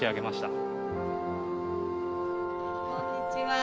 こんにちは。